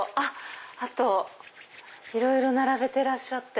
あといろいろ並べてらっしゃって。